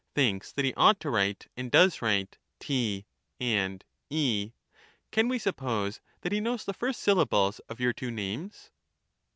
thinks that he ought to write and does write T and e — can we suppose that he knows the first syllables of your two names?